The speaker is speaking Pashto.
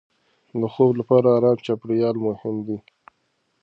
د خوب لپاره ارام چاپېریال مهم دی.